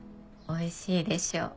おいしいでしょ？